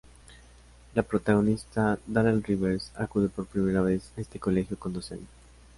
La protagonista, Darrell Rivers, acude por primera vez a este colegio con doce años.